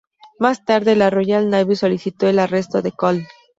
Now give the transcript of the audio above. Más tarde, la Royal Navy solicitó el arresto de Cole.